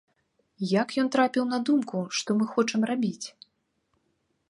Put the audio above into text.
Як ён трапіў на думку, што мы хочам рабіць?!